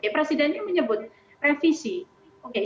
presidennya menyebut revisi